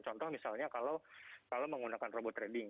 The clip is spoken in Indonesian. contoh misalnya kalau menggunakan robot trading